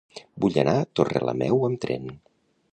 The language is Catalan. Vull anar a Torrelameu amb tren.